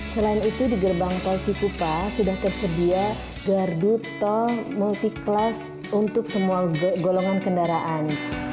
selain itu di gerbang tol cikupa sudah tersedia gardu tol multi kelas untuk semua golongan kendaraan